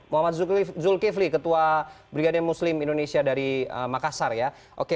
muhammad zulkifli ketua brigade muslim indonesia dari makassar ya oke